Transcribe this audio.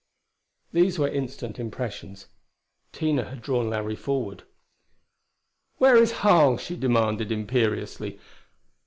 These were instant impressions. Tina had drawn Larry forward. "Where is Harl?" she demanded imperiously.